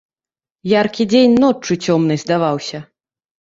Яркі дзень ноччу цёмнай здаваўся.